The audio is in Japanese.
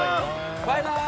バイバイ！